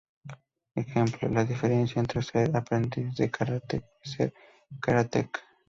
Ejemplo, la diferencia entre 'ser aprendiz de karate' y 'ser karateka'.